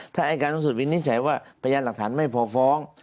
ถ้าอายการสูงสุดวินิจฉัยว่าพยานหลักฐานไม่พอฟ้อง